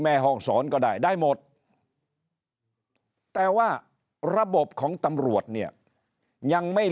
แม่ห้องศรก็ได้ได้หมดแต่ว่าระบบของตำรวจเนี่ยยังไม่